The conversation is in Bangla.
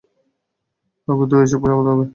কাউকে তো এসব থামাতে হবে।